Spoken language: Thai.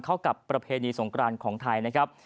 เข้ากับประเพณีสงกรานของไทยนะครับ